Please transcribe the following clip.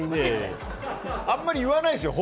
あんまり言わないですよ